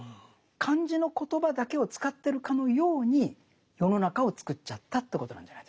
漢字の言葉だけを使ってるかのように世の中をつくっちゃったということなんじゃないでしょうか。